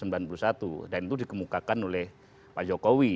dan itu dikemukakan oleh pak jokowi